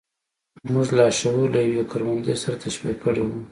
موږ لاشعور له يوې کروندې سره تشبيه کړی و.